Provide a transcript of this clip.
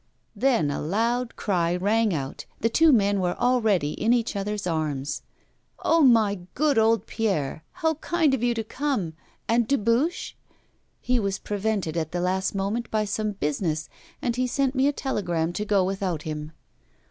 Then a loud cry rang out; the two men were already in each other's arms. 'Oh, my good old Pierre! how kind of you to come! And Dubuche?' 'He was prevented at the last moment by some business, and he sent me a telegram to go without him.